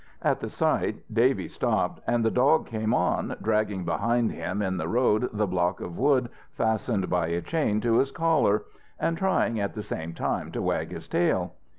At the sight Davy stopped, and the dog came on, dragging behind him in the road the block of wood fastened by a chain to his collar, and trying at the same time to wag his tail.